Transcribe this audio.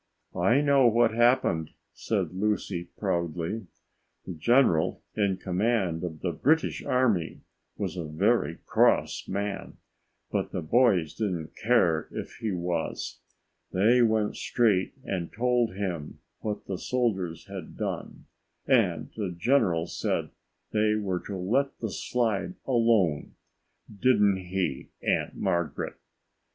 "I know what happened," said Lucy proudly. "The general in command of the British army was a very cross man, but the boys didn't care if he was. They went straight and told him what the soldiers had done. And the General said they were to let the slide alone. Didn't he, Aunt Margaret?"